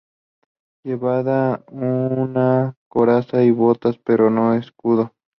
Llevaba una coraza y botas, pero no escudo.